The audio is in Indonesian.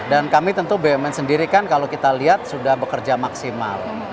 dan kami tentu bumn sendiri kan kalau kita lihat sudah bekerja maksimal